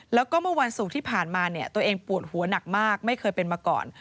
แล้วก็เมื่อวันศุกร์ที่ผ่านมาเนี่ยตัวเองปวดหัวหนักมากไม่เคยเป็นมาก่อน